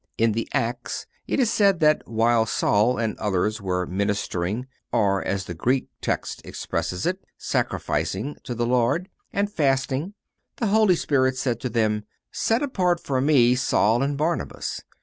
In the Acts it is said that while Saul and others were ministering (or, as the Greek text expresses it, sacrificing) to the Lord, and fasting, the Holy Spirit said to them: "Set apart for Me Saul and Barnabas."